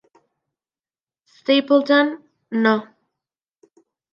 Stapleton No.